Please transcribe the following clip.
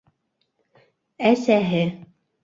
Әсәһе.